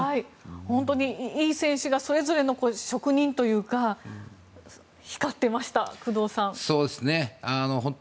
本当にいい選手がそれぞれの職人というか光ってました、工藤さん。